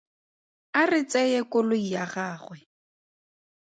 A re tseye koloi ya gagwe.